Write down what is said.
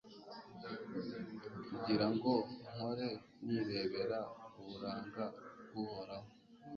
kugira ngo mpore nirebera uburanga bw’Uhoraho